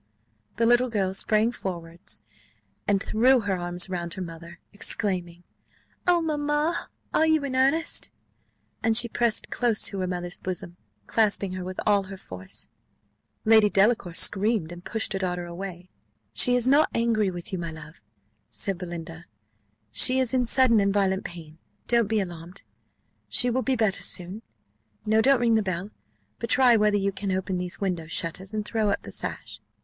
The little girl sprang forwards, and threw her arms round her mother, exclaiming, "Oh, mamma, are you in earnest?" and she pressed close to her mother's bosom, clasping her with all her force. Lady Delacour screamed, and pushed her daughter away. "She is not angry with you, my love," said Belinda, "she is in sudden and violent pain don't be alarmed she will be better soon. No, don't ring the bell, but try whether you can open these window shutters, and throw up the sash."